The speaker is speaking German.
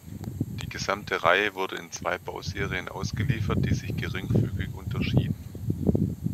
Die gesamte Reihe wurde in zwei Bauserien ausgeliefert, die sich geringfügig unterschieden.